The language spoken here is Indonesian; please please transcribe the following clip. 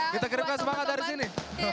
kita kirimkan semangat dari sini